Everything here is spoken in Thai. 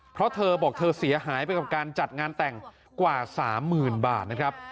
เพราะเธอบอกเธอเสียหายไปกับการจัดงานแต่งกว่า๓๐๐๐บาทนะครับ